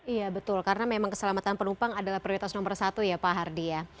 iya betul karena memang keselamatan penumpang adalah prioritas nomor satu ya pak hardy ya